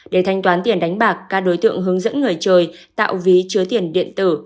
để thanh toán tiền đánh bạc các đối tượng hướng dẫn người chơi tạo ví chứa tiền điện tử